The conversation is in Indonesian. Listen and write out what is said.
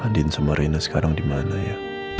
andien sama reina sekarang di mana ya